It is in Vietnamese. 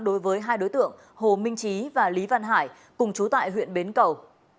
đối với hai đối tượng hồ minh trí và lý văn hải cùng chú tại huyện bến cầu